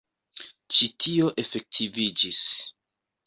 Ĉi tio efektiviĝis.